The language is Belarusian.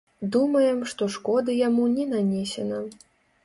Думаем, што шкоды яму не нанесена.